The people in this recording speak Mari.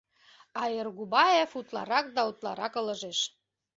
А Эргуваев утларак да утларак ылыжеш.